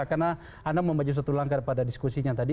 karena anda membaju satu langkah pada diskusinya tadi